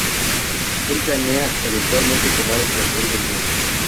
Él planea eventualmente tomar el control del mundo.